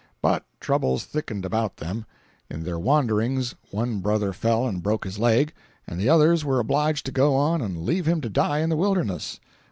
But troubles thickened about them. In their wanderings one brother fell and broke his leg, and the others were obliged to go on and leave him to die in the wilderness.